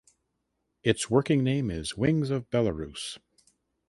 Its working name is "Wings of Belarus".